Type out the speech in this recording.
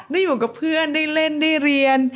ได้อยู่กับเพื่อนได้เล่นได้เรียน